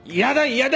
嫌だ！